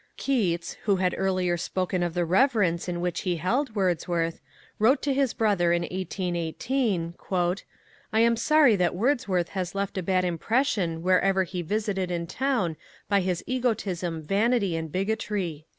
Keats, who had earlier spoken of the reverence in which he held Wordsworth, wrote to his brother in 1818: "I am sorry that Wordsworth has left a bad impression wherever he visited in town by his egotism, vanity, and bigotry."